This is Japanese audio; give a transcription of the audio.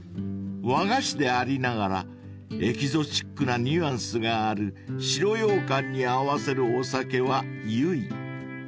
［和菓子でありながらエキゾチックなニュアンスがある白羊羹に合わせるお酒は］